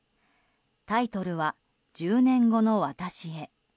タイトルは「１０年後の私へ」。